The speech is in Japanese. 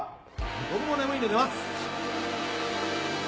僕も眠いんで寝ます。